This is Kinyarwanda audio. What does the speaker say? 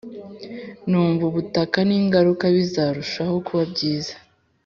Numva ubutaha ningaruka bizarushaho kuba byiza